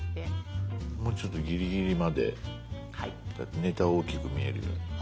もうちょっとギリギリまでネタを大きく見えるように。